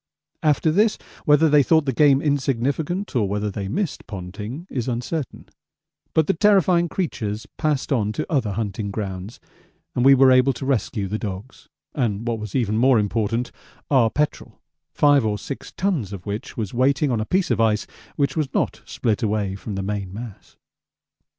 After this, whether they thought the game insignificant, or whether they missed Ponting is uncertain, but the terrifying creatures passed on to other hunting grounds, and we were able to rescue the dogs, and what was even more important, our petrol 5 or 6 tons of which was waiting on a piece of ice which was not split away from the main mass.